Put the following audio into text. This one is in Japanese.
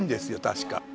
確か。